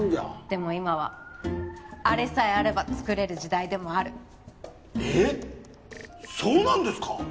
でも今はあれさえあれば作れる時代でもあるえっそうなんですか？